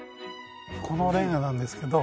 このレンガなんですけど。